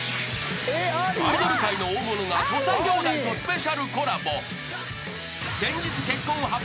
［アイドル界の大物が土佐兄弟とスペシャルコラボ］